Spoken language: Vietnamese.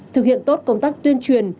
thực hiện tốt công tác tuyên truyền